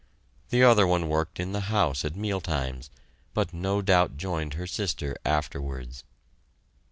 The other one worked in the house at meal times, but no doubt joined her sister afterwards.